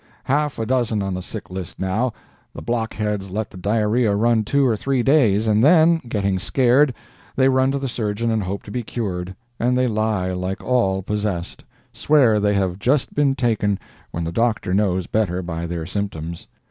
"' "Half a dozen on the sick list now. The blockheads let the diarrhea run two or three days, and then, getting scared, they run to the surgeon and hope to be cured. And they lie like all possessed—swear they have just been taken, when the doctor knows better by their symptoms.